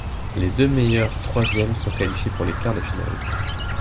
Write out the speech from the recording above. Les deux meilleures troisièmes sont qualifiées pour les quarts de finale.